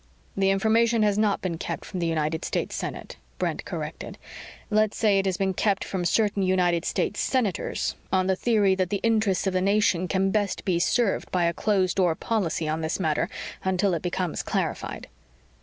"The information has not been kept from the United States Senate," Brent corrected. "Let's say it has been kept from certain United States Senators on the theory that the interests of the nation can best be served by a closed door policy on this matter until it becomes clarified."